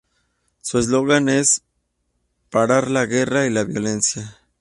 Su eslogan es "parar la guerra y la violencia.